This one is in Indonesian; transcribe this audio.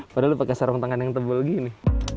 padahal lo pakai sarung tangan yang tebal gini